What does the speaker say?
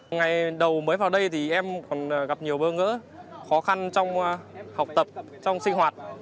ngày đầu mới vào đây thì em còn gặp nhiều bơ ngỡ khó khăn trong học tập trong sinh hoạt